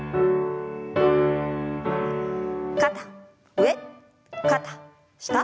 肩上肩下。